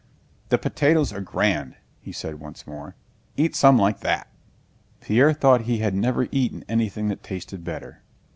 "The potatoes are grand!" he said once more. "Eat some like that!" Pierre thought he had never eaten anything that tasted better.